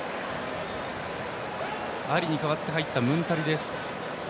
アリに代わって入ったムンタリです。